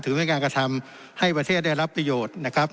เป็นการกระทำให้ประเทศได้รับประโยชน์นะครับ